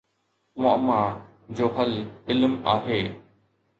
معما جو حل علم آهي